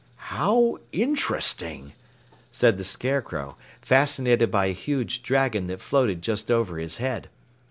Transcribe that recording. "How interesting," said the Scarecrow, fascinated by a huge dragon that floated just over his head.